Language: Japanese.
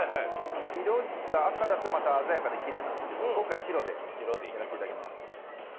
色が赤だと、また鮮やかできれいなんですけど今回は白でやらせていただきます。